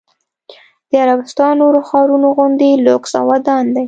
د عربستان نورو ښارونو غوندې لوکس او ودان دی.